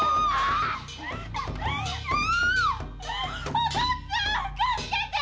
お父っつぁん助けて！